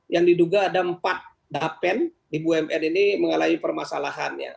yang diduga ada empat dapen di bumn ini mengalami permasalahan